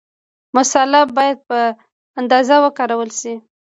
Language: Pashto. مساله باید په اندازه وکارول شي.